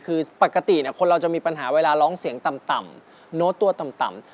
คือปกติคนเราจะมีปัญหาเวลาร้องเสียงต่ำโน้ตตัวต่ำ